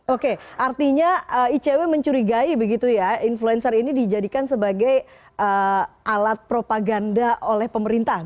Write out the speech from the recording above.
oke artinya icw mencurigai begitu ya influencer ini dijadikan sebagai alat propaganda oleh pemerintah